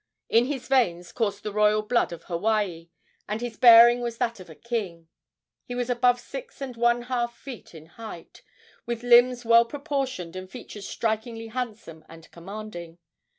In his veins coursed the royal blood of Hawaii, and his bearing was that of a king. He was above six and one half feet in height, with limbs well proportioned and features strikingly handsome and commanding.